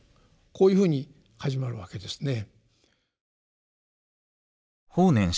こういうふうに始まるわけですね。